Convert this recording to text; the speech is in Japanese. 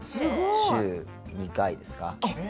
週２回ですか。